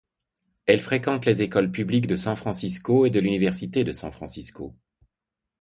Elle fréquente les écoles publiques de San Francisco et l'université de San Francisco.